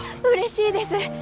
うれしいです。